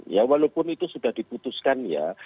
ya walaupun itu sudah diputuskan ya